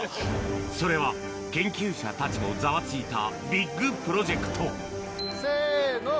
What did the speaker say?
それは研究者たちもざわついたビッグプロジェクトせの！